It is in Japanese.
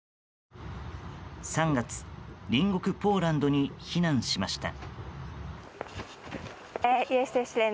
３月、隣国ポーランドに避難しました。